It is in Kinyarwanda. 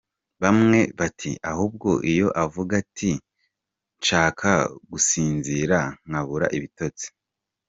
Bamwe bati “Ahubwo iyo avuga ati nshaka gusinzira, nkabura ibitotsi!”.